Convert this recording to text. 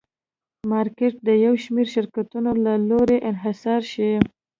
مارکېټ د یو شمېر شرکتونو له لوري انحصار شي.